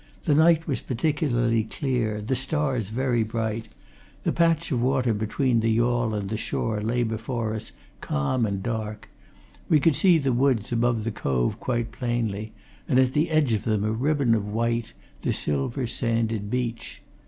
The night was particularly clear; the stars very bright; the patch of water between the yawl and the shore lay before us calm and dark; we could see the woods above the cove quite plainly, and at the edge of them a ribbon of white, the silver sanded beach.